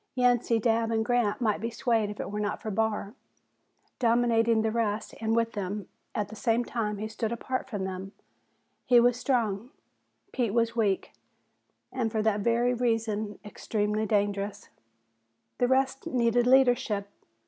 Yancey, Dabb and Grant might be swayed if it were not for Barr. Dominating the rest, and with them, at the same time he stood apart from them. He was strong, Pete was weak and for that very reason extremely dangerous. The rest needed leadership.